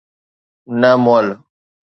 نه مئل